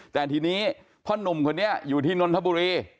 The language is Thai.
แต่ทีนี้พ่อนุ่มคนนี้อยู่ที่นนทบุรี